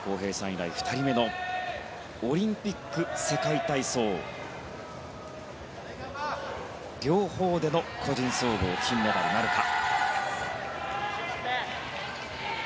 以来２人目のオリンピック、世界体操両方での個人総合金メダルなるか。